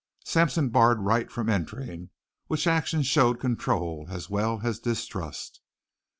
Sampson barred Wright from entering, which action showed control as well as distrust.